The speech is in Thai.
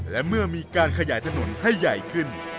และเมื่อมีการขยายถนนให้ใหญ่ขึ้น